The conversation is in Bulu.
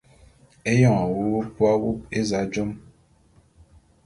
Éyoň nwuwup w’awup éza jom.